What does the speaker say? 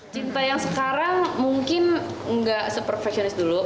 cinta yang sekarang mungkin nggak se perfectionist dulu